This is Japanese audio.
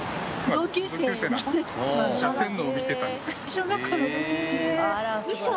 小学校の同級生。